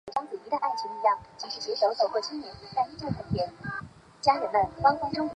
他现在效力于塞尔维亚足球超级联赛球队贝尔格莱德红星足球俱乐部。